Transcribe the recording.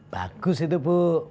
bagus itu bu